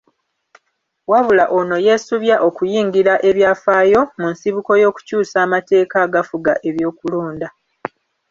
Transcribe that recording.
Wabula ono yeesubya okuyingira ebyafaayo mu nsibuko y’okukyusa amateeka agafuga ebyokulonda.